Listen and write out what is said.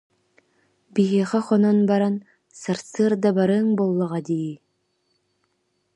Биһиэхэ хонон баран, сарсыарда барыаҥ буоллаҕа дии